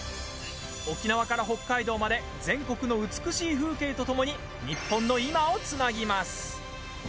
沖縄から北海道まで全国の美しい風景とともにニッポンの今をつなぎます。